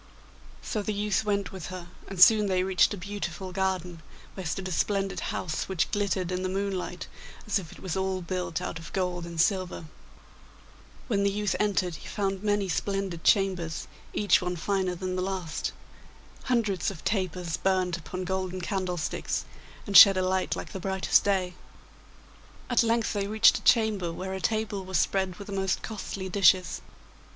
So the youth went with her, and soon they reached a beautiful garden, where stood a splendid house, which glittered in the moonlight as if it was all built out of gold and silver. When the youth entered he found many splendid chambers, each one finer than the last. Hundreds of tapers burnt upon golden candlesticks, and shed a light like the brightest day. At length they reached a chamber where a table was spread with the most costly dishes.